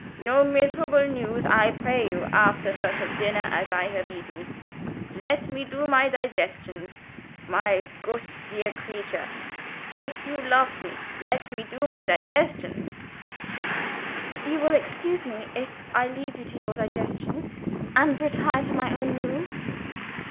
"No miserable news, I pray you, after such a dinner as I have eaten. Let me do my digestions! My goot dear creature, if you lofe me let me do my digestions!" "Will you excuse me, if I leave you to your digestion, and retire to my own room?"